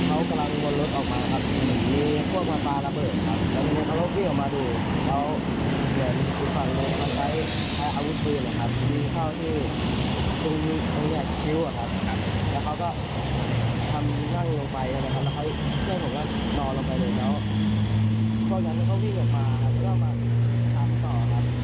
อันนี้ก็เรียนหนังสืออยู่ด้วยกับผมนี่แหละเขาเรียนหนังสืออยู่ด้วยกับผมนี่แหละ